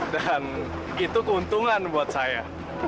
dan itu keuntungan buat saya